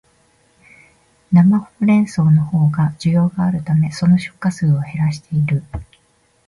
生ホウレンソウのほうが需要があるため、その出荷数を減らしている